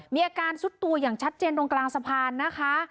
มีอาการซุดตัวอย่างชัดเจนตรงกลางสะพานนะคะ